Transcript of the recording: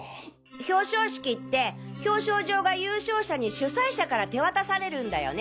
表彰式って表彰状が優勝者に主催者から手渡されるんだよね？